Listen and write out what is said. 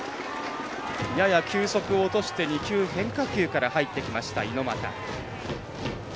やや球速を落として２球、変化球から入ってきました。